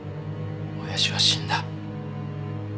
親父は死んだ。